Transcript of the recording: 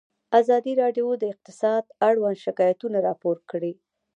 ازادي راډیو د اقتصاد اړوند شکایتونه راپور کړي.